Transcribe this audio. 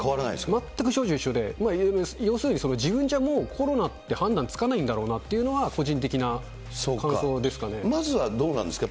全く症状一緒で、要するに、自分じゃもう、コロナって判断つかないんだろうなっていうのは、個人的な感想でまずはどうなんですか？